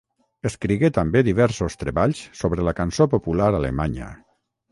Escrigué també diversos treballs sobre la cançó popular alemanya.